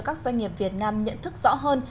các doanh nghiệp việt nam nhận thức rõ hơn